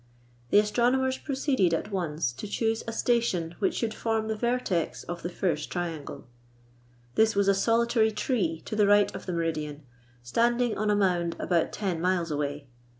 The astronomers proceeded at once to choose a station which should form the vertex of the first triangle. This was a solitary tree to the right of the meridian, standing on a mound about ten miles away.